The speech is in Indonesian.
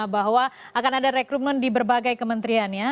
bahwa akan ada rekrutmen di berbagai kementerian ya